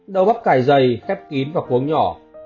đâu bắp cải dày khép kín và cuống nhỏ